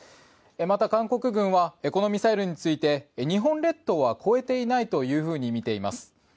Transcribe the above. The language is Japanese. また、韓国軍はこのミサイルについて日本列島は越えていないというふうに見ています。